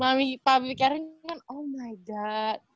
mami papi keren kan oh my god